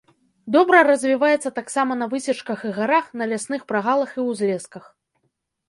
Добра развіваецца таксама на высечках і гарах, на лясных прагалах і ўзлесках.